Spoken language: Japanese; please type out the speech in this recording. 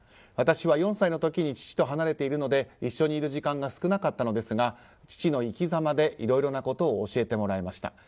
私は４歳の時に父と離れているので一緒にいる時間が少なかったのですが父の生き様でいろいろなことを教えてもらいました。